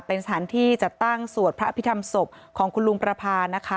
เป็นสถานที่จัดตั้งสวดพระอภิษฐรรมศพของคุณลุงประพานะคะ